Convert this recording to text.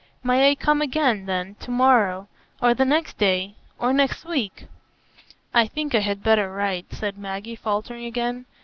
"May I come again, then, to morrow, or the next day, or next week?" "I think I had better write," said Maggie, faltering again.